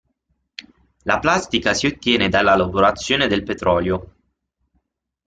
La plastica si ottiene dalla lavorazione del petrolio.